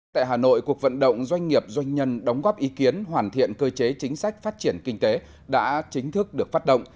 tại hà nội cuộc vận động doanh nghiệp doanh nhân đóng góp ý kiến hoàn thiện cơ chế chính sách phát triển kinh tế đã chính thức được phát động